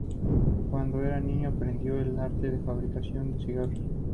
Cuando era niño, aprendió el arte de la fabricación de cigarros.